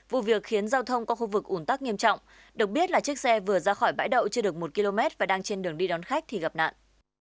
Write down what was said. vụ việc khiến giao thông qua khu vực ủn tắc nghiêm trọng được biết là chiếc xe vừa ra khỏi bãi đậu chưa được một km và đang trên đường đi đón khách thì gặp nạn